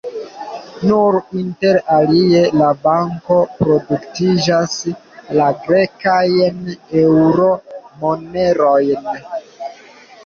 Nun, inter alie, la banko produktiĝas la grekajn eŭro-monerojn.